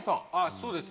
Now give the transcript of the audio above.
そうです